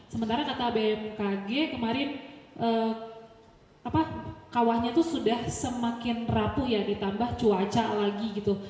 sementara kata bmkg kemarin kawahnya itu sudah semakin rapuh ya ditambah cuaca lagi gitu